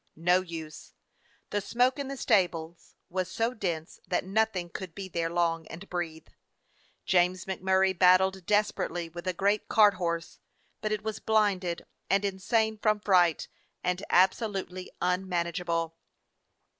No use. The smoke in the stables was so dense that nothing could be there long and breathe. James MacMurray battled desperately with a great cart horse, but it was blinded and in sane from fright and absolutely unmanage able.